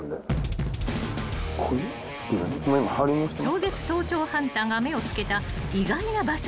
［超絶盗聴ハンターが目を付けた意外な場所とは］